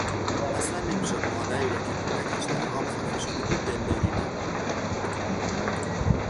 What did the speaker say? اصلا نمیشد مادری را که کودکش در آب خفه شده بود دلداری داد.